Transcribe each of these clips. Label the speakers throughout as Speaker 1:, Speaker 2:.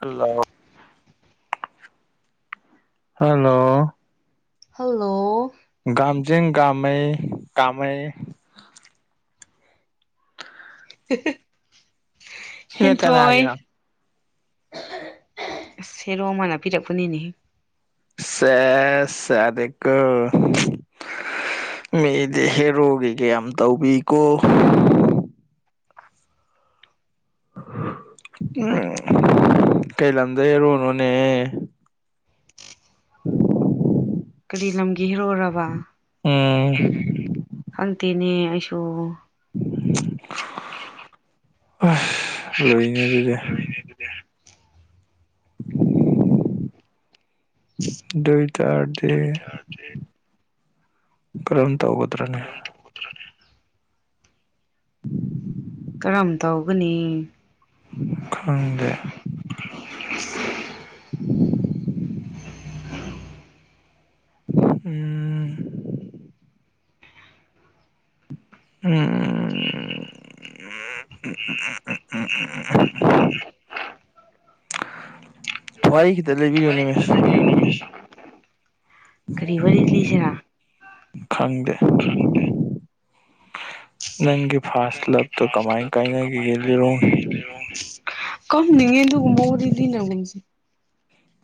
Speaker 1: ꯍꯂꫭ hello
Speaker 2: hello
Speaker 1: ꯒꯥꯝꯖ‌ꯦꯡ ꯒꯃꯩ ꯀꯃꯩ ꯁꯤꯅ
Speaker 2: ꯍꯦꯟꯊꯣꯏ
Speaker 1: ꯀꯅꯥꯒꯤꯅꯣ
Speaker 2: ꯑꯁ ꯁꯦꯔꯣ ꯑꯃꯅ ꯄꯤꯔꯛꯄꯅꯤꯅꯦ
Speaker 1: ꯁꯦꯁ ꯌꯗꯦꯀꯣ ꯃꯤꯗꯤ ꯍꯦꯔꯣꯒ ꯀꯌꯥꯝ ꯇꯧꯕꯤꯀꯣ ꯎꯝ ꯀꯩ ꯂꯝꯗꯩ ꯍ‌ꯦꯔꫭꯅꫭꯅ‌ꯦ [unintelligible]
Speaker 2: ꯀꯔꯤ ꯂꯝꯒꯤ ꯍꯤꯔꯣꯏꯔꯕ
Speaker 1: ꯎꯝ
Speaker 2: ꯈꯪꯗꯦꯅꯦ ꯑꯩꯁꯨ
Speaker 1: ꯑꯁ ꯂꯣꯏꯅꯦ ꯑꯗꯨꯗꯤ
Speaker 2: [unintelligible]
Speaker 1: [unintelligible] ꯗꯨꯏ ꯇꯔꯗꯤ ꯀꯔꯝ ꯇꯧꯒꯗ꯭ꯔꯥꯅꯦ [unintelligible]
Speaker 2: ꯀꯔꯝ ꯇꯧꯒꯅꯤ
Speaker 1: ꯈꯪꯗꯦ [inaudible] ꯎꯝ [unintelligible] ꯎꯝ ꯎꯝ ꯋꯥꯔꯤ ꯈꯤꯇ ꯂꯤꯕꯤꯌꯨꯅ‌ꯦ ꯃꯤꯁ
Speaker 2: ꯀꯔꯤ ꯋꯥꯔꯤ ꯂꯤꯁꯤꯔ
Speaker 1: ꯈꯪꯗꯦ ꯅꯪꯒꯤ ꯐꯥꯔꯁ ꯂꯞꯇꯣ ꯀꯃꯥꯏ ꯀꯥꯏꯅꯈꯤꯒꯦ ꯂꯤꯔꯣꯡꯅꯤ
Speaker 2: ꯀꯞꯅꯤꯉꯦ ꯑꯗꯨꯒꯨꯝꯕꯥ ꯋꯥꯔꯤ ꯂꯤꯅꯒꯨꯟꯁꯦ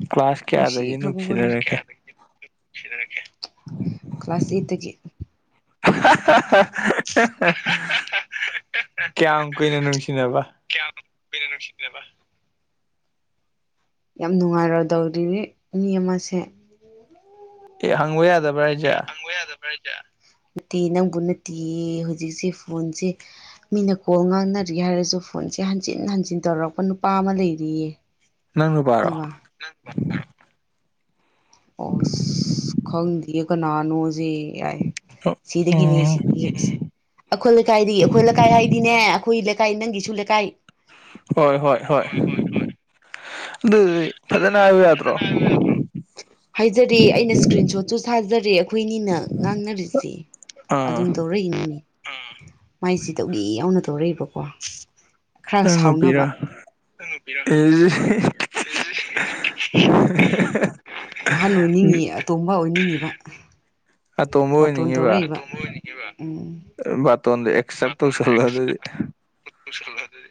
Speaker 1: ꯀ꯭ꯂꯥꯁ
Speaker 2: ꯁꯤ
Speaker 1: ꯀꯌꯥꯗꯒꯤ
Speaker 2: ꯈꯕꯕꯣ ꯀ
Speaker 1: ꯅꯨꯡꯁꯤꯅꯔꯛꯀꯦ
Speaker 2: ꯀ꯭ꯂꯥꯁ ꯑꯩꯠꯇꯒꯤ
Speaker 1: [unintelligible] ꯀꯌꯥꯝ ꯀꯨꯏꯅ ꯅꯨꯡꯁꯤꯅꯕ
Speaker 2: ꯀꯌꯥꯝ ꯀꯨꯏꯅꯥ ꯅꯨꯡꯁꯤꯗ꯭ꯔꯦꯕꯥ ꯌꯥꯝ ꯅꯨꯡꯉꯥꯏꯔꯗꯧꯔꯤꯕ ꯃꯤ ꯑꯃꯁꯦ
Speaker 1: ꯑꯦ ꯍꯪꯕ ꯌꯥꯗꯕ꯭ꯔꯥ ꯍꯥꯏꯁꯦ
Speaker 2: ꯅꯠꯇꯦ ꯅꯪꯕꯨ ꯅꯠꯇꯦ ꯍꯧꯖꯤꯛꯁꯦ ꯐꯣꯟꯁꯦ ꯃꯤꯅ ꯀꯣꯜ ꯉꯥꯡꯅꯔꯤ ꯌꯦ ꯍꯥꯏꯔꯁꯨ ꯐꯣꯟꯁꯦ ꯍꯟꯖꯤꯟ ꯍꯟꯖꯤꯟ ꯇꯧꯔꯛꯄ ꯅꯨꯄꯥ ꯑꯃ ꯂꯩꯔꯤꯌꯦ
Speaker 1: [unintelligible]
Speaker 2: ꯑ
Speaker 1: ꯅꯨꯄꯥꯔꯣ
Speaker 2: ꯋꯥ [unintelligible] ꯑꯣꯁ ꯈꯪ ꯗꯤꯌꯦ ꯀꯅꯥꯅꯣꯖꯦ ꯌꯥꯏ ꯁꯤꯗꯒꯤꯅꯦ
Speaker 1: ꯎꯝ
Speaker 2: ꯁꯤꯗꯒꯤꯁꯦ ꯑꯩꯈꯣꯏ ꯂꯩꯀꯥꯏꯗꯒꯤ ꯑꯩꯈꯣꯏ ꯂꯩꯀꯥꯏ ꯍꯥꯏꯗꯤꯅꯦ ꯑꯩꯈꯣꯏ ꯂꯩꯀꯥꯏ ꯅꯪꯒꯤꯁꯨ ꯂꯩꯀꯥꯏ
Speaker 1: ꯍꯣꯏ ꯍꯣꯏ ꯍꯣꯏ ꯑꯗꯨꯗꯤ ꯐꯖꯅ ꯍꯥꯏꯕ ꯌꯥꯗ꯭ꯔꯣ
Speaker 2: ꯍꯥꯏꯖꯔꯤꯦ ꯑꯩꯅ ꯏꯁꯀ꯭ꯔꯤꯟ ꯁꯣꯠꯁꯨ ꯁꯥꯖꯔꯦ ꯑꯩꯈꯣꯏꯅꯤꯅ ꯉꯥꯡꯅꯔꯤꯁꯦ ꯑꯗꯨꯝ
Speaker 1: ꯑꯥ
Speaker 2: ꯇꯧꯔꯛꯏꯅꯤꯅꯦ ꯃꯥꯏꯁꯤ ꯇꯧꯒꯦ ꯌꯥꯎꯅ ꯇꯧꯔꯛꯏꯕꯀꯣ ꯈꯔ
Speaker 1: ꯅꯪꯉꯄꯤꯔ
Speaker 2: ꯁꯥꯎꯅꯕ ꯐ [unintelligible] ꯑꯍꯟ ꯑꯣꯏꯅꯤꯡꯉꯤ ꯑꯇꯣꯝꯕ ꯑꯣꯏꯅꯤꯡꯉꯤꯕ
Speaker 1: ꯑꯇꯣꯝꯕ
Speaker 2: ꯕꯥꯔꯇꯣꯟ
Speaker 1: ꯑꯣꯏꯅꯤꯡꯉꯤꯕ
Speaker 2: ꯇꯧꯔꯛꯏꯕ
Speaker 1: ꯕꯥꯇꯣꯟꯗ
Speaker 2: ꯣꯟꯗ ꯑꯦꯛꯁꯇ꯭ꯔꯁꯗꯤ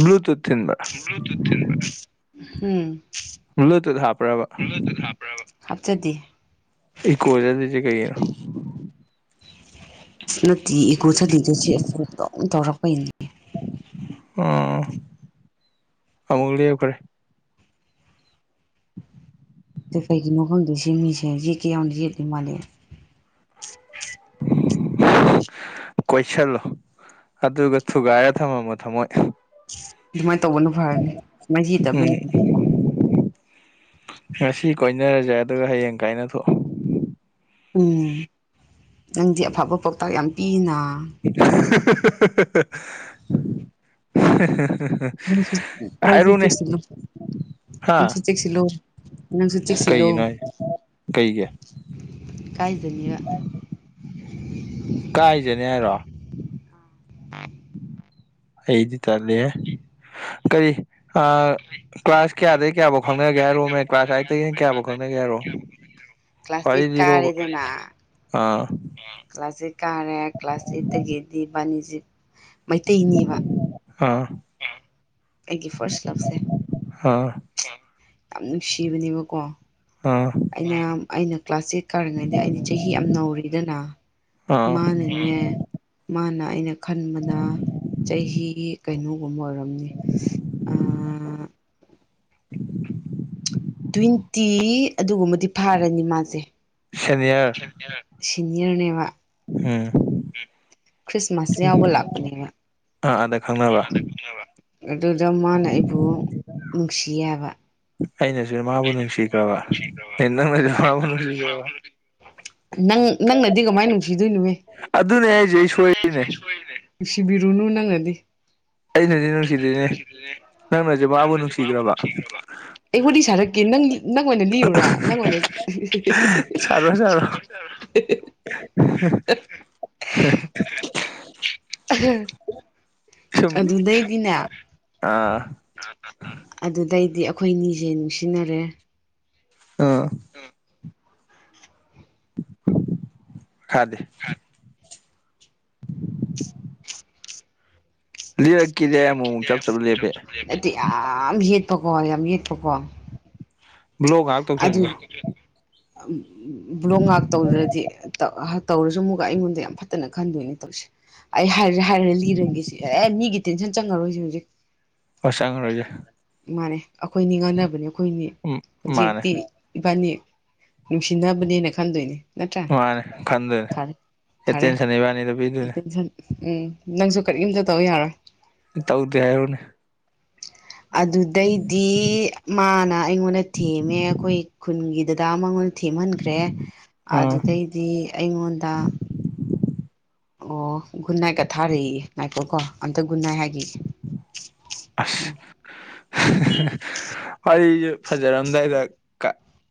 Speaker 1: ꯕ꯭ꯂꯨ ꯇꯨꯊ ꯊꯤꯟꯕꯔ
Speaker 2: ꯍꯨꯝ
Speaker 1: ꯂꯇ ꯊ ꯍꯥꯄ꯭ꯔꯕ
Speaker 2: ꯍꯥꯞꯆꯗꯦ
Speaker 1: ꯏꯀꯣ ꯆ꯬ꯂꯤꯁꯦ ꯀꯩꯒꯤꯅꯣ
Speaker 2: ꯑ ꯅꯠꯇꯤ ꯏꯒꯨ ꯁꯗꯤꯒ ꯁꯦꯠ ꯑꯗꯨꯝ ꯇꯧꯔꯛꯄꯩꯅꯦ
Speaker 1: ꯎꯝ ꯑꯃꯨꯛ ꯂꯦꯞꯈ꯭ꯔꯦ
Speaker 2: ꯑꯗ ꯀꯩꯒꯤꯅꯣ ꯈꯪꯗꯣꯏ ꯁꯤ ꯃꯤꯁꯦ ꯌꯦꯛꯀꯦ ꯌꯥꯝꯅ ꯌꯦꯛꯇꯦ ꯃꯥꯜꯂꯦ
Speaker 1: ꯎ [unintelligible] ꯀꯣꯏꯁꯤꯜꯂꯣ ꯑꯗꯨꯒ ꯊꯨꯒꯥꯏꯔ ꯊꯝꯃꯃꯣ ꯊꯃꯣꯏ
Speaker 2: ꯑꯗꯨꯃꯥꯏꯅ ꯇꯧꯕꯅ ꯐꯔꯅꯤ ꯁꯨꯃꯥꯏ ꯍꯗꯕꯅꯤ
Speaker 1: ꯎꯝ ꯉꯁꯤ ꯀꯣꯏꯅꯔꯁꯦ ꯑꯗꯨꯒ ꯍꯌꯦꯡ ꯀꯥꯏꯅ ꯊꯣꯛ
Speaker 2: ꯎꯝ ꯅꯪꯗꯤ ꯑꯐꯕ ꯄꯥꯎꯇꯥꯛ ꯌꯥꯝ ꯄꯤꯅ ꯅꯪꯁꯨ
Speaker 1: [inaudible]
Speaker 2: ꯅꯪꯁꯨ
Speaker 1: ꯍꯥꯏꯔꯨꯅꯦ ꯍꯥꯥ
Speaker 2: ꯆꯦꯛꯁꯤꯂꯣ ꯅꯪ ꯆ ꯎꯆꯦꯛꯁꯤꯂꯣ
Speaker 1: ꯍꯥꯏꯁꯦ ꯀꯩꯒꯤ
Speaker 2: ꯀꯥꯏꯖꯅꯤꯡꯕ
Speaker 1: ꯀꯥꯏꯖꯅꯦ ꯍꯥꯏꯔꯣ ꯑꯩꯗꯤ ꯇꯦ ꯀꯔꯤ ꯀ꯭ꯂꯥꯁ ꯀꯌꯥꯗꯒꯤꯩ ꯀꯌꯥꯐꯥꯎ ꯈꯪꯅꯒꯦ ꯍꯥꯏꯔꯨꯣꯃꯦ ꯀ꯭ꯂꯥꯁ ꯑꯒꯤꯅ ꯀꯌꯥꯐꯥꯎ ꯈꯪꯅꯒꯦ ꯍꯥꯏꯔꯣ
Speaker 2: ꯀ꯭ꯂꯥꯁ ꯑꯩꯠ
Speaker 1: ꯋꯥꯔꯤꯗꯤꯔꯣꯕ
Speaker 2: ꯀꯥꯔꯦꯗꯅ
Speaker 1: ꯑꯥ
Speaker 2: ꯀ꯭ꯂꯥꯁ ꯑꯩꯠ ꯀꯥꯔꯦ ꯀ꯭ꯂꯥꯁ ꯑꯩꯠꯇꯒꯤꯗꯤ ꯕꯥꯅꯤꯁꯤ ꯃꯩꯇꯩꯅꯦꯕ
Speaker 1: ꯑꯥ
Speaker 2: ꯑꯩꯒꯤ ꯐꯥꯔꯁ ꯂꯞꯁꯦ
Speaker 1: ꯑꯥ
Speaker 2: ꯌꯥꯝ ꯅꯨꯡꯁꯤꯕꯅꯦꯕꯀꯣ
Speaker 1: ꯑꯥ
Speaker 2: ꯑꯩꯅ ꯑꯩꯅ ꯀ꯭ꯂꯥꯁꯤꯛ ꯀꯔꯤꯉꯩꯗꯤ ꯑꯩꯗꯤ ꯆꯍꯤ ꯌꯥꯝ ꯅꯧꯔꯤꯗꯅ
Speaker 1: ꯑꯥ
Speaker 2: ꯃꯥꯅꯅꯦ ꯃꯥꯅ ꯑꯩꯅ ꯈꯟꯕꯗ ꯆꯍꯤ ꯀꯩꯅꯣꯒꯨꯝꯕ ꯑꯣꯏꯔꯝꯅꯤ ꯑ ꯏꯜꯇꯤ ꯑꯗꯨꯒꯨꯝꯕꯗꯤ ꯐꯥꯔꯅꯤ ꯃꯥꯁꯦ
Speaker 1: ꯁꯅꯤꯌꯔ
Speaker 2: ꯁꯤꯅꯤꯌꯔꯅꯦꯕ
Speaker 1: ꯍꯥꯝ
Speaker 2: ꯈ꯭ꯔꯤꯁꯃꯥꯁ ꯌꯥꯎꯕ ꯂꯥꯛꯄꯅꯦꯕ
Speaker 1: ꯑ ꯑꯦ
Speaker 2: ꯑꯗꯨꯗ ꯃꯥꯅ ꯑꯩꯕꯨ ꯅꯨꯡꯁꯤ ꯌꯥꯕ
Speaker 1: ꯑꯩꯅꯁꯨ ꯃꯥꯕꯨ ꯅꯨꯡꯁꯤꯈ꯭ꯔꯕ ꯑ ꯅꯪꯅꯁꯨ ꯃꯥꯕꯨ ꯅꯨꯡꯁꯤꯈ꯭ꯔꯕ
Speaker 2: [inaudible] ꯅꯪꯅꯗꯤ ꯀꯃꯥꯏꯅ ꯅꯨꯡꯁꯤꯗꯣꯏꯅꯣꯅꯦ
Speaker 1: ꯑꯗꯨꯅꯦ ꯑꯩꯁꯦ ꯑꯩ ꯁꯣꯏꯔꯤꯅꯦ
Speaker 2: ꯁꯤꯕꯤꯔꯨꯅꯨ ꯅꯪꯉꯗꯤ
Speaker 1: ꯑꯩꯅꯗꯤ ꯅꯨꯡꯁꯤꯗꯣꯏꯅꯦ ꯅꯪꯅꯁꯦ ꯃꯥꯕꯨ ꯅꯨꯡꯁꯤꯈ꯭ꯔꯕ
Speaker 2: ꯑꯩꯕꯨꯗꯤ ꯁꯥꯔꯛꯀꯦ ꯅꯪ ꯅꯪ ꯑꯣꯏꯅ ꯂꯤꯔꯨꯔꯥ ꯅꯪ ꯑꯣꯏꯅ
Speaker 1: ꯁꯥꯔꯣ ꯁꯥꯔꯣ
Speaker 2: [unintelligible]
Speaker 1: [unintelligible] ꯁꯨꯝ
Speaker 2: ꯑꯗꯨꯗꯩꯗꯤꯅꯦ
Speaker 1: ꯑꯥ
Speaker 2: ꯑꯗꯨꯗꯩꯗꯤ ꯑꯩꯈꯣꯏꯅꯤꯁꯦ ꯅꯨꯡꯁꯤꯅꯔꯦ
Speaker 1: ꯑ ꯊ ꯂꯤꯔꯛꯀꯤꯗꯦ ꯑꯩ ꯑꯃꯨꯛ ꯑꯃꯨꯛ ꯆꯞ ꯆꯞ ꯂꯦꯞꯄꯦ
Speaker 2: ꯅꯗꯤ ꯌꯥꯝ ꯌꯦꯠꯄꯀꯣ ꯌꯥꯝ ꯌꯦꯠꯄꯀꯣ
Speaker 1: ꯕ꯭ꯂꯣ ꯉꯥꯏꯍꯥꯛ ꯇꯧꯁꯟꯒꯣ
Speaker 2: ꯎ ꯕ꯭ꯂꯣꯡ ꯉꯥꯛ ꯇꯧꯗ꯭ꯔꯗꯤ ꯇꯧꯔꯁꯨ ꯑꯃꯨꯛꯒ ꯑꯩꯉꯣꯟꯗ ꯌꯥꯝ ꯐꯠꯇꯅ ꯈꯟꯗꯣꯏꯅꯦ ꯇꯧꯔꯤꯁꯦ ꯑꯩ ꯍꯥꯏꯔꯦ ꯍꯥꯏꯔꯦ ꯂꯤꯔꯒꯦꯁꯤ ꯑꯦ ꯃꯤꯒꯤ ꯇꯦꯟꯁꯟ ꯆꯪꯉꯔꯣꯏꯁꯤ ꯍꯧꯖꯤꯛ
Speaker 1: ꯋꯥꯁꯪ ꯔꯣꯖꯦ
Speaker 2: ꯃꯥꯅꯦ ꯑꯩꯈꯣꯏꯅꯤ ꯉꯥꯡꯅꯕꯅꯤ ꯑꯩꯈꯣꯏꯅꯤ
Speaker 1: ꯎꯝ
Speaker 2: ꯍꯧꯖꯤꯛ
Speaker 1: ꯃꯥꯅꯦ
Speaker 2: ꯏꯕꯥꯅꯤ ꯅꯨꯡꯁꯤꯅꯕꯅꯦꯅ ꯈꯟꯗꯣꯏꯅꯦ ꯅꯠꯇ꯭ꯔ
Speaker 1: ꯃꯥꯅꯦ ꯈꯟꯗꯣꯏꯅꯦ
Speaker 2: ꯐꯔꯦ ꯐꯔꯦ
Speaker 1: ꯑꯦꯇꯦꯟꯁꯟ ꯏꯕꯥꯅꯤꯗ ꯄꯤꯗꯣꯏꯅꯦ
Speaker 2: ꯇꯟ ꯎꯝ ꯅꯪꯁꯨ ꯀꯔꯤꯝꯇꯠꯇꯧꯕ ꯌꯥꯔꯣꯏ
Speaker 1: ꯇꯧꯗꯦ ꯍꯥꯏꯔꯣꯅꯦ
Speaker 2: ꯑꯗꯨꯗꯩꯗꯤ ꯃꯥꯅ ꯑꯩꯉꯣꯟꯗ ꯊꯦꯝꯃꯦ ꯑꯩꯈꯣꯏ ꯈꯨꯟꯒꯤꯗꯗꯥ ꯃꯉꯣꯟ ꯊꯦꯝꯍꯟꯈ꯭ꯔꯦ
Speaker 1: ꯑꯥ
Speaker 2: ꯑꯗꯨꯗꯩꯗꯤ ꯑꯩꯉꯣꯟꯗ ꯑꯣ ꯒꯨꯟꯅꯥꯏꯀ ꯊꯥꯔꯛꯏꯦ ꯅꯥꯏꯀꯣ ꯀꯣ ꯑꯝꯇ ꯒꯟꯅꯥꯏ ꯍꯥꯏꯦ
Speaker 1: ꯑꯁ ꯑꯩꯁꯦ ꯐꯖꯔꯝꯗꯥꯏꯗ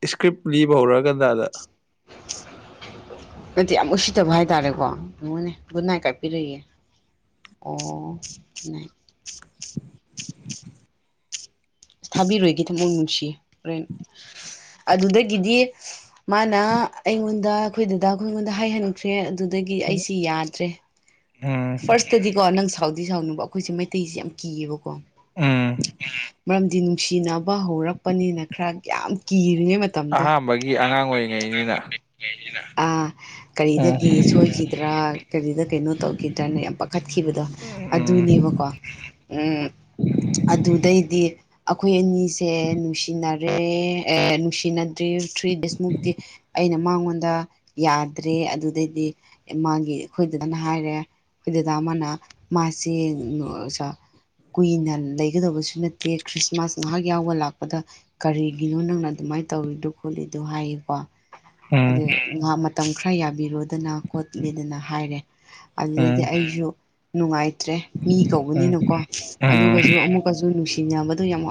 Speaker 1: ꯏꯁꯀ꯭ꯔꯤꯞ ꯂꯤꯕ ꯍꯧꯔ ꯀꯥꯟꯗꯥꯗ
Speaker 2: ꯅꯠꯇ ꯌꯥꯝ ꯎꯁꯤꯗꯕ ꯍꯥꯏꯇꯥꯔꯦꯀꯣꯉꯅꯦ ꯒꯟꯅꯥꯏ ꯀꯥꯏꯄꯤꯔꯛꯏꯌꯦꯦ ꯑꯣ ꯊꯥꯕꯤꯔꯣꯏꯒꯤꯦ ꯊꯃꯣꯏ ꯅꯨꯡꯁꯤ ꯍꯣꯔꯦꯟ ꯑꯗꯨꯗꯒꯤꯗꯤ ꯃꯥꯅ ꯑꯩꯉꯣꯟꯗ ꯑꯩꯈꯣꯏ ꯗꯗꯥ ꯑꯩꯈꯣꯏ ꯑꯩꯉꯣꯟꯗ ꯍꯥꯏꯍꯟꯈ꯭ꯔꯦ ꯑꯗꯨꯗꯒꯤ
Speaker 1: ꯎꯝ
Speaker 2: ꯑꯩꯁꯤ ꯌꯥꯗ꯭ꯔꯦ
Speaker 1: ꯎꯝ
Speaker 2: ꯐꯥꯔꯁꯇꯗꯤꯀꯣ ꯅꯪ ꯁꯥꯎꯗꯤ ꯁꯥꯎꯅꯕ ꯑꯩꯈꯣꯏꯁꯦ ꯃꯩꯇꯩꯁꯦ ꯌꯥꯝ ꯀꯤꯌꯦꯕꯀꯣ
Speaker 1: ꯑ
Speaker 2: ꯃꯔꯝꯗꯤ ꯅꯨꯡꯁꯤꯅꯕ ꯍꯧꯔꯛꯄꯅꯤꯅ ꯈꯔ ꯌꯥꯝ ꯀꯤꯔꯤꯉꯩ ꯃꯇꯝ
Speaker 1: ꯑꯍꯥꯥꯟꯕꯒꯤ ꯑꯉꯥꯡ ꯑꯣꯏꯔꯤꯉꯩꯅꯤꯅ
Speaker 2: ꯑ
Speaker 1: ꯎꯝ
Speaker 2: ꯀꯔꯤꯗꯒꯤ ꯁꯣꯏꯈꯤꯗ꯭ꯔꯥ ꯀꯔꯤꯗ ꯀꯩꯅꯣ ꯇꯧ ꯇꯔꯅ ꯌꯥꯝ ꯄꯥꯈꯠꯈꯤꯕꯗꯣ
Speaker 1: ꯎꯝ
Speaker 2: ꯑꯗꯨꯅꯦꯕꯀꯣ ꯑꯗꯨꯗꯩꯗꯤ ꯑꯩꯈꯣꯏ ꯑꯅꯤꯁꯦ ꯅꯨꯡꯁꯤꯅꯔꯦ ꯅꯨꯡꯁꯤꯅ ꯭ ꯊ꯭ꯔꯤ ꯗꯦꯖꯃꯨꯛꯇꯤ ꯑꯩꯅ ꯃꯉꯣꯟꯗ ꯌꯥꯗ꯭ꯔꯦ ꯑꯗꯨꯗꯩꯗꯤ ꯃꯥꯒꯤ ꯑꯩꯈꯣꯏꯗꯨꯗꯅ ꯍꯥꯏꯔꯦ ꯑꯩꯈꯣꯏꯗ ꯇꯥꯃꯅ ꯃꯥꯁꯦ ꯀꯨꯏꯅ ꯂꯩꯒꯗꯕꯁꯨ ꯅꯠꯇꯦ ꯈ꯭ꯔꯤꯁꯃꯥꯁ ꯉꯥꯏꯍꯥꯛ ꯌꯥꯎꯕ ꯂꯥꯛꯄꯗ ꯀꯔꯤꯒꯤꯅꯣ ꯅꯪꯅ ꯑꯗꯨꯃꯥꯏꯅ ꯇꯧꯔꯤꯗꯣ ꯈꯣꯠꯂꯤꯗꯣ ꯍꯥꯏꯌꯦꯀꯣ
Speaker 1: ꯎꯝ
Speaker 2: ꯑꯗꯨꯗ ꯉꯍꯥꯛ ꯃꯇꯝ ꯈꯔ ꯌꯥꯕꯤꯔꯣꯗꯅ ꯈꯣꯠꯂꯤꯗꯅ ꯍꯥꯏꯔꯦ ꯑꯗꯨꯗꯗꯤ
Speaker 1: ꯎꯝ
Speaker 2: ꯑꯩꯁꯨ ꯅꯨꯡꯉꯥꯏꯇ꯭ꯔꯦ ꯃꯤ
Speaker 1: ꯎꯝ
Speaker 2: ꯀꯧꯕꯅꯤꯅꯀꯣ
Speaker 1: ꯎꯝ
Speaker 2: ꯑꯗꯨꯒꯁꯨ ꯑꯃꯨꯛ ꯀꯁꯨ ꯅꯨꯡꯁꯤꯅꯕꯗꯨ ꯌꯥꯝ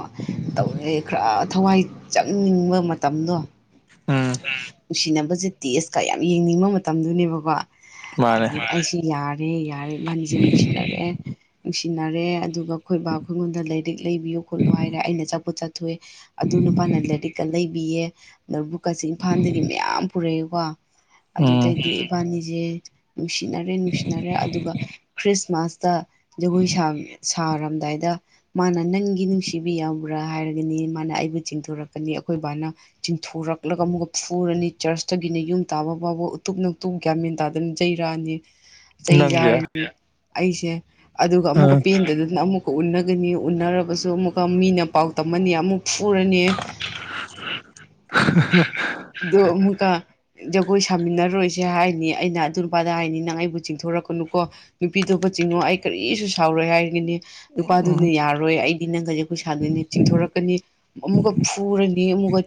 Speaker 2: ꯇꯧꯔꯦ ꯈꯔ ꯊꯋꯥꯏ ꯆꯪꯅꯤꯡꯕ ꯃꯇꯝꯗꯣ
Speaker 1: ꯎꯝ
Speaker 2: ꯅꯨꯡꯁꯤꯅꯕꯁꯦ ꯇꯦꯁꯀ ꯌꯥꯝ ꯌꯦꯡꯅꯤꯡꯕ ꯃꯇꯝꯗꯨꯅꯦꯕꯀꯣ
Speaker 1: ꯃꯥꯅꯦ
Speaker 2: ꯑꯗꯨ ꯑꯩꯁꯤ ꯌꯥꯔꯦ ꯌꯥꯔꯦ ꯃꯅꯤꯁꯦ ꯅꯨꯡꯁꯤꯅꯔꯑꯦ ꯅꯨꯡꯁꯤꯅꯔꯦ ꯑꯗꯨꯒ ꯑꯩꯈꯣꯏꯕꯥ ꯑꯩꯉꯣꯟꯗ ꯂꯥꯏꯔꯤꯛ ꯂꯩꯕꯤꯌꯨ ꯈꯣꯠꯂꯨ ꯍꯥꯏꯔꯦ ꯑꯩꯅ ꯆꯠꯄ ꯆꯠ ꯊꯣꯛꯑꯦ ꯑꯗꯨ ꯅꯨꯄꯥꯅ ꯂꯥꯏꯔꯤꯛꯀ ꯂꯩꯕꯤꯌꯦ ꯑ ꯕꯨꯛꯀꯁꯦ ꯏꯝꯐꯥꯜꯗꯒꯤ ꯃꯌꯥꯝ ꯄꯨꯔꯛꯑꯦꯀꯣ
Speaker 1: ꯎꯝ
Speaker 2: ꯑꯗꯨꯗꯩꯗꯤ ꯏꯕꯥꯅꯤꯁꯦ ꯅꯨꯡꯁꯤꯅꯔꯦ ꯁꯤꯟꯅꯔꯦ ꯑꯗꯨꯒ ꯈ꯭ꯔꯤꯁꯃꯥꯁꯇ ꯖꯒꯣꯏ ꯁꯥꯔꯝꯗꯥꯏꯗ ꯃꯥꯅ ꯅꯪꯒꯤ ꯅꯨꯡꯁꯤꯕ ꯌꯥꯎꯕ꯭ꯔꯥ ꯍꯥꯏꯔꯒꯅꯤ ꯃꯥꯅ ꯑꯩꯕꯨ ꯆꯤꯡꯊꯣꯔꯛꯀꯅꯤ ꯑꯩꯈꯣꯏꯕꯥꯅ ꯆꯤꯡꯊꯣꯔꯛꯂꯒ ꯑꯃꯨꯛꯀ ꯐꯨꯔꯅꯤ ꯆꯔꯁꯇꯒꯤꯅ ꯌꯨꯝ ꯇꯥꯕ ꯐꯥꯎꯕ ꯎꯇꯨꯞ ꯅꯇꯨꯞ ꯒ꯭ꯌꯥꯃꯦꯟ ꯇꯥꯗꯅ ꯌꯩꯔꯛꯑꯅꯤ ꯆꯩ
Speaker 1: ꯅꯪꯒꯤ
Speaker 2: ꯌꯥꯔꯤꯅꯤ ꯑꯩꯁꯦ ꯑꯗꯨꯒ ꯑꯃꯨꯛꯀ
Speaker 1: ꯑ
Speaker 2: ꯄꯦꯟꯗꯗꯅ ꯑꯃꯨꯛ ꯀ ꯎꯅꯒꯅꯤ ꯎꯟꯅꯔꯕꯁꯨ ꯑꯃꯨꯛꯀ ꯃꯤꯅ ꯄꯥꯎ ꯇꯝꯃꯟꯅꯤ ꯑꯃꯨꯛ ꯐꯨꯔꯅꯤ
Speaker 1: [unintelligible]
Speaker 2: ꯑ ꯑꯃꯨꯛꯀ ꯖꯒꯣꯏ ꯁꯥꯃꯤꯟꯅꯔꯣꯏꯁꯦ ꯍꯥꯏꯅꯤ ꯑꯩꯅ ꯑꯗꯨ ꯅꯨꯄꯥꯗ ꯍꯥꯏꯅꯤ ꯅꯪ ꯑꯩꯕꯨ ꯆꯤꯡꯊꯣꯔꯛꯀꯅꯨꯀꯣ ꯅꯨꯄꯤꯗꯣꯕꯨ ꯆꯤꯡꯉꯣ ꯑꯩ ꯀꯔꯤꯁꯨ ꯁꯥꯎꯔꯣꯏ ꯍꯥꯏꯔꯒꯅꯤ ꯅꯨꯄꯥꯗꯨꯅ ꯌꯥꯔꯣꯏ ꯑꯩꯗꯤ ꯅꯪ ꯈ ꯑꯩꯈꯣꯏ ꯁꯥꯥꯟꯗꯣꯏꯅꯦ ꯆꯤꯡꯊꯣꯔꯛꯀꯅꯤ ꯑꯃꯨꯛꯀ ꯐꯨꯔꯅꯤ ꯑꯃꯨꯛꯀ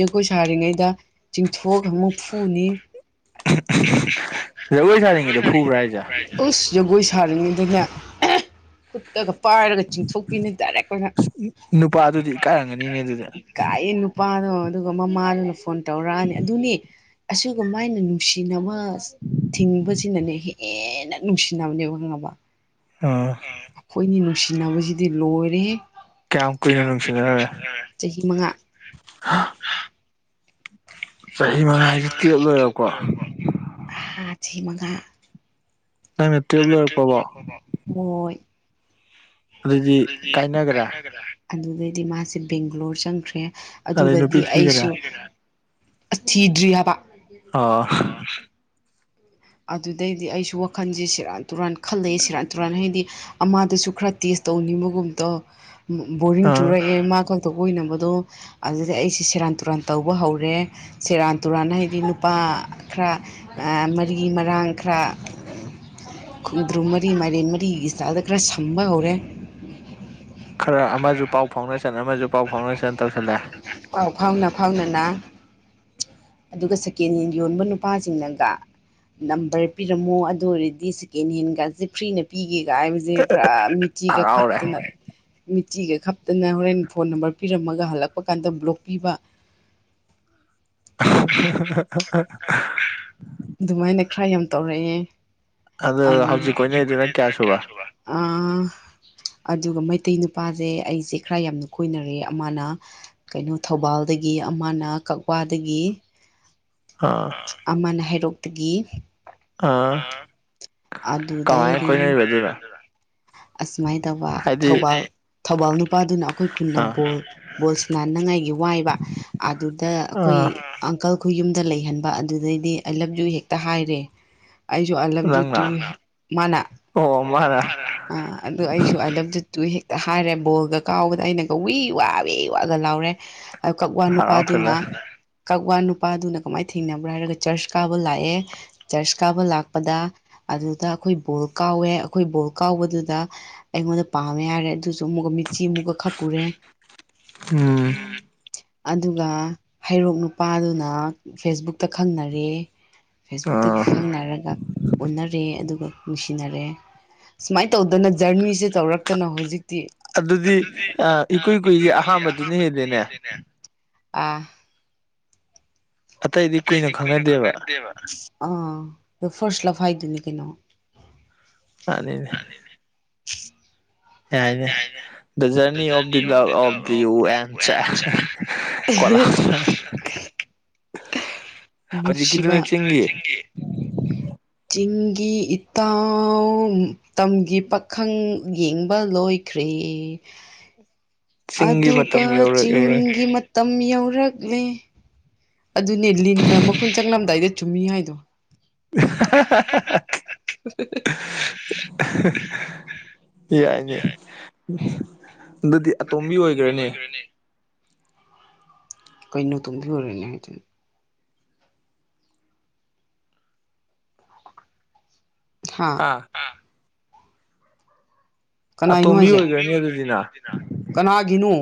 Speaker 2: ꯖꯒꯣꯏ ꯁꯥꯔꯤꯉꯩꯗ ꯆꯤꯡꯊꯣꯛ ꯃꯐꯨꯅꯤ
Speaker 1: ꯧꯣꯏ ꯁꯥꯗꯣ ꯐꯨꯕ ꯔ ꯍꯥꯏꯖꯥ
Speaker 2: ꯑꯁ ꯖꯒꯣꯏ ꯁꯥꯔꯤꯉꯩꯗꯅꯦ ꯈꯨꯠꯇꯒ ꯄꯥꯏꯔꯒ ꯆꯤꯡꯊꯣꯛꯄꯤꯅꯤ ꯇꯔꯦ ꯑꯩꯈꯣꯏꯅ
Speaker 1: ꯅꯨꯄꯥꯗꯨꯗꯤ ꯏꯀꯥꯏꯔꯝꯒꯅꯤꯅꯦ ꯑꯗꯨꯗꯤ
Speaker 2: ꯀꯥꯏ ꯅꯨꯄꯥꯅꯣ ꯑꯗꯨꯒ ꯃꯃꯥꯗꯨꯅ ꯐꯣꯟ ꯇꯧꯔꯛꯑꯅꯤ ꯑꯗꯨꯅꯤ ꯑꯁꯤꯒꯨꯝꯕ ꯑꯅ ꯅꯨꯡꯁꯤꯅꯕ ꯊꯤꯡꯕꯁꯤꯅꯅꯦ ꯍꯦꯛ ꯍꯦꯟꯅ ꯅꯨꯡꯁꯤꯅꯕꯅꯦꯕꯪꯅꯕ
Speaker 1: ꯑꯥ
Speaker 2: ꯑꯩꯈꯣꯏꯅꯤ ꯅꯨꯡꯁꯤꯅꯕꯁꯤꯗꯤ ꯂꯣꯏꯔꯦ ꯀꯌꯥꯝ ꯀꯨꯏꯅ ꯅꯨꯡꯁꯤꯦ ꯆꯍꯤ ꯃꯉꯥ
Speaker 1: ꯑ ꯆꯍꯤ ꯃꯉꯥ ꯍꯥꯏꯁꯦ ꯇꯨꯌꯦꯞ ꯂꯣꯏꯔꯕꯀꯣ
Speaker 2: ꯍꯥꯥ ꯁꯤ ꯃꯉꯥ
Speaker 1: ꯑꯩꯅ ꯇ꯭ꯔꯦꯞ ꯂꯣꯏꯔꯛꯄꯕꯣ
Speaker 2: ꯍꯣꯏ
Speaker 1: ꯑꯗꯨꯗꯤ ꯀꯥꯏꯅꯒꯔꯦ
Speaker 2: ꯑꯗꯨꯩꯗꯤ ꯃꯥꯁꯦ ꯕꯦꯡꯒ꯭ꯂꯣꯔ ꯆꯪꯈ꯭ꯔꯦ
Speaker 1: ꯑꯗꯩ ꯅꯨꯄꯤ
Speaker 2: ꯑꯗꯨꯒꯗꯤ ꯑꯩꯁꯨ
Speaker 1: ꯊꯤꯈ꯭ꯔꯦ
Speaker 2: ꯊꯤꯗ꯭ꯔꯤ ꯍꯥꯏꯕ
Speaker 1: ꯑꯣꯥ
Speaker 2: ꯑꯗꯨꯗꯩꯗꯤ ꯑꯩꯁꯨ ꯋꯥꯈꯟꯁꯦ ꯁꯤꯔꯥꯟ ꯇꯨꯔꯥꯟ ꯈꯜꯂꯑꯦ ꯁꯤꯔꯥꯟ ꯇꯨꯔꯥꯟ ꯍꯥꯏꯗꯤ ꯑꯃꯗꯁꯨ ꯈꯔ ꯇꯦꯁ ꯇꯧꯅꯤꯡꯕꯒꯨꯝꯕꯗꯣ ꯕꯣꯔꯤꯡ
Speaker 1: ꯑ
Speaker 2: ꯆꯨꯔꯛꯑꯦ ꯃꯥ ꯈ ꯇꯏꯕꯗꯣ ꯑꯗꯨꯗ ꯑꯩꯁꯤꯦ ꯁꯦꯔꯥꯟ ꯇꯨꯔꯥꯟ ꯇꯧꯕ ꯍꯧꯔꯦ ꯁꯦꯔꯥꯟ ꯇꯨꯔꯥꯟ ꯍꯥꯏꯗꯤ ꯅꯨꯄꯥ ꯈꯔ ꯃꯔꯤ ꯃꯔꯥꯡ ꯈꯔ ꯈꯣꯡꯗ꯭ꯔꯨ ꯃꯔꯤ ꯃꯥꯏꯔꯦꯟ ꯃꯔꯤꯒꯤꯆꯥꯗ ꯈꯔ ꯁꯝꯕ ꯍꯧꯔꯦ
Speaker 1: ꯈꯔ ꯑꯃꯁꯨ ꯄꯥꯎ ꯐꯥꯎꯗꯦꯁꯟ ꯑꯃꯁꯨ ꯄꯥꯎ ꯐꯥꯎꯟꯗꯦꯁꯟ ꯇꯧꯁꯜꯂꯛꯑꯦ
Speaker 2: ꯄꯥꯎ ꯐꯥꯎꯅ ꯐꯥꯎꯅꯅ ꯑꯗꯨꯒ ꯁꯦꯀꯦꯟ ꯍꯦꯟ ꯌꯣꯟꯕ ꯅꯨꯄꯥꯁꯤꯡꯅꯒ ꯅꯝꯕꯔ ꯄꯤꯔꯝꯃꯣ ꯑꯗꯨ ꯑꯣꯏꯔꯗꯤ ꯁꯦꯀꯦꯟ ꯍꯦꯟꯒꯥꯁꯦ ꯐ꯭ꯔꯤꯅ ꯄꯤꯒꯦꯒ ꯍꯥꯏꯕꯁꯦ ꯈꯔ ꯃꯤꯆꯤꯒ
Speaker 1: ꯍꯔꯥꯎꯔꯦ
Speaker 2: ꯈꯛꯇꯅ ꯃꯤꯆꯤꯒ ꯈꯛꯇꯅ ꯍꯣꯔꯦꯟ ꯐꯣꯟ ꯅꯝꯕꯔ ꯄꯤꯔꯝꯃꯒ ꯍꯜꯂꯛꯄ ꯀꯥꯟꯗ ꯕ꯭ꯂꯣꯛ ꯄꯤꯕ
Speaker 1: [unintelligible]
Speaker 2: ꯑꯗꯨꯃꯥꯏꯅ ꯈꯔ ꯌꯥꯝ ꯇꯧꯔꯛꯑꯦ
Speaker 1: ꯑꯗꯨ
Speaker 2: ꯑꯗꯨꯒ
Speaker 1: ꯍꯧꯖꯤꯛ ꯑꯣꯏꯅꯗꯨꯅ ꯀꯌꯥ ꯁꯨꯕ
Speaker 2: ꯑꯥ ꯑꯗꯨꯒ ꯃꯩꯇꯩ ꯅꯨꯄꯥꯁꯦ ꯑꯩꯁꯦ ꯈꯔ ꯌꯥꯝꯅ ꯀꯣꯏꯅꯔꯦ ꯑꯃꯅ ꯀꯩꯅꯣ ꯊꯧꯕꯥꯜꯗꯒꯤ ꯑꯃꯅ ꯀꯛꯋꯥꯗꯒꯤ
Speaker 1: ꯑꯥ
Speaker 2: ꯑꯃꯅ ꯍꯩꯔꯣꯛꯇꯒꯤ ꯑ
Speaker 1: ꯑꯥ
Speaker 2: ꯑꯗꯨꯗ
Speaker 1: ꯀꯃꯥꯏꯅ
Speaker 2: [unintelligible]
Speaker 1: ꯀꯣꯏꯅꯔꯤꯕ ꯑꯗꯨꯅ
Speaker 2: ꯑꯁꯨꯃꯥꯏꯅ ꯇꯧꯕ
Speaker 1: ꯍꯥꯏꯗꯤ
Speaker 2: ꯊꯧꯕꯥꯜ ꯊꯧꯕꯥꯜ ꯅꯨꯄꯥꯗꯨꯅ ꯑꯩꯈꯣꯏ ꯈꯨꯟꯅ
Speaker 1: ꯑꯥ
Speaker 2: ꯕꯣꯜ ꯕꯣꯜꯁ ꯅꯉꯥꯏꯒꯤ ꯋꯥꯏꯕ ꯑꯗꯨꯗ ꯑꯩꯈꯣꯏ
Speaker 1: ꯑꯥ
Speaker 2: ꯑꯪꯀꯜ ꯈꯣꯏ ꯌꯨꯝꯗ ꯂꯩꯍꯟꯕ ꯑꯗꯨꯗꯩꯗꯤ ꯑꯩꯂꯞꯁꯨꯨ ꯍꯦꯛꯇ ꯍꯥꯏꯔꯦ ꯑꯩꯁꯨ ꯑꯥꯏ ꯂꯕ ꯌꯨꯇꯨ
Speaker 1: ꯅꯪꯅ
Speaker 2: ꯃꯥꯅ
Speaker 1: ꯑꯣ ꯃꯥꯅ
Speaker 2: ꯑꯗꯨ ꯑꯩꯁꯨ ꯑꯥꯏ ꯂ ꯇꯨ ꯍꯦꯛꯇ ꯍꯥꯏꯔꯦ ꯕꯣꯜꯒ ꯀꯥꯎꯕꯗ ꯑꯩꯅ ꯀꯧꯋꯏ ꯋꯥ ꯋꯏ ꯋꯥꯒ ꯂꯥꯎꯔꯦ ꯀꯛꯋꯥ ꯅꯨꯄꯥꯗꯨꯅ
Speaker 1: ꯍꯔꯥꯎꯁꯜꯂꯦ
Speaker 2: ꯀꯛꯋꯥ ꯅꯨꯄꯥꯗꯨꯅ ꯀꯃꯥꯏꯅ ꯊꯦꯡꯅꯕ꯭ꯔꯥ ꯍꯥꯏꯔꯒ ꯆꯔꯆ ꯀꯥꯕ ꯂꯥꯛꯑꯦ ꯆꯔꯆ ꯀꯥꯕ ꯂꯥꯛꯄꯗ ꯑꯗꯨꯗ ꯑꯩꯈꯣꯏ ꯕꯣꯜ ꯀꯥꯎꯋꯦ ꯑꯩꯈꯣꯏ ꯕꯣꯜ ꯀꯥꯎꯕꯗꯨꯗ ꯑꯩꯉꯣꯟꯗ ꯄꯥꯝꯃꯦ ꯌꯥꯔꯦ ꯑꯗꯨꯁꯨ ꯑꯃꯨꯛꯀ ꯃꯤꯆꯤ ꯑꯃꯨꯛꯀ ꯄꯨꯔꯦ
Speaker 1: ꯎꯝ
Speaker 2: ꯑꯗꯨꯒ ꯍꯩꯔꯣꯛ ꯅꯨꯄꯥꯗꯨꯅ ꯐꯦꯁꯕꯨꯛꯇ ꯈꯪꯅꯔꯦ
Speaker 1: ꯑꯥ
Speaker 2: ꯐꯦꯁꯕꯨꯛꯇꯒꯤ ꯈꯪꯅꯔꯒ ꯑꯣꯟꯅꯔꯦ ꯑꯗꯨꯒ ꯅꯨꯡꯁꯤꯅꯔꯦ ꯁꯨꯃꯥꯏꯅ ꯇꯧꯗꯅ ꯖꯔꯅꯤꯁꯦ ꯇꯧꯔꯛꯇꯅ ꯍꯧꯖꯤꯛꯇꯤ
Speaker 1: ꯑꯗꯨꯗꯤ ꯏꯀꯨꯏ ꯀꯨꯏꯁꯦ ꯑꯍꯥꯟꯕꯗꯨꯅ ꯍꯦꯜꯂꯤꯅꯦ
Speaker 2: ꯑꯥ
Speaker 1: ꯀꯨꯏꯅ
Speaker 2: ꯑꯇꯩꯗꯤ ꯀꯨꯏ [unintelligible]
Speaker 1: ꯈꯪꯅꯗꯦꯕ
Speaker 2: ꯕ ꯑ ꯐꯥꯔꯁ ꯂ ꯍꯥꯏꯗꯨꯅꯤ ꯀꯩꯅꯣ
Speaker 1: ꯑꯅꯤꯅꯦ ꯌꯥꯏꯅꯦ the journey of the love of ꯑꯣ ꯗ ꯌꯨꯑꯦꯟ [unintelligible] ꯍꯧꯖꯤ
Speaker 2: ꯅꯨꯡꯁꯤꯕ
Speaker 1: ꯀꯤꯗꯨꯅꯦ ꯆꯤꯡꯒꯦ
Speaker 2: ꯆꯤꯡꯒꯤ ꯏꯇꯥꯎ ꯇꯝꯒꯤ ꯄꯥꯈꯪ ꯌꯦꯡꯕ ꯂꯣꯏ [unintelligible]
Speaker 1: [unintelligible]
Speaker 2: ꯑꯗꯨꯒ
Speaker 1: ꯃꯇꯝ ꯌꯧꯔꯛꯑꯦ
Speaker 2: ꯆꯤꯒꯤ ꯃ ꯇꯝ ꯌꯧꯔꯛꯂꯦ ꯑꯗꯨꯅꯦ ꯂꯤꯟꯅ ꯃꯈꯨꯟ ꯆꯪꯂꯝꯗꯥꯏꯗ ꯆꯨꯝꯃꯤ ꯍꯥꯏꯗꯣ
Speaker 1: [unintelligible] ꯌꯥꯏꯅꯦ ꯑꯗꯨꯗꯤ ꯑꯇꯣꯝꯕꯤ ꯑꯣꯏꯈ꯭ꯔꯅꯦ
Speaker 2: ꯀꯩꯅꯣ ꯇꯨꯝꯕꯤꯨꯔꯅꯦ ꯍꯥꯏꯗꯨꯅꯤ ꯍꯥ
Speaker 1: ꯍꯥ
Speaker 2: ꯀꯅꯥꯏꯅꯣ
Speaker 1: ꯑꯇꯣꯝꯕꯤ
Speaker 2: ꯍꯥꯏꯁꯦ
Speaker 1: ꯑꯣꯏꯈ꯭ꯔꯅꯤ ꯑꯗꯨꯗꯤꯅ
Speaker 2: ꯀꯅꯥꯒꯤꯅꯣ